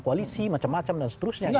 koalisi macam macam dan seterusnya